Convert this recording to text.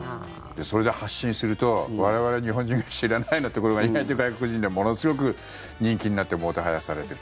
それで発信すると、我々日本人が知らないようなところが意外と外国人にものすごく人気になってもてはやされている。